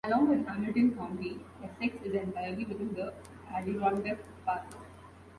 Along with Hamilton County, Essex is entirely within the Adirondack Park.